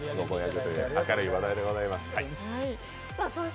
明るい話題でございました。